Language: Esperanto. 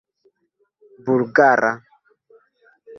bulgara